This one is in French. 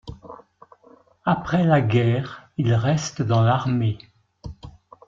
Après la guerre, il reste dans l'armée.